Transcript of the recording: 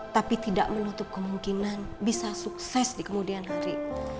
tapi tidak menutup kemungkinan bisa sukses di kemudian hari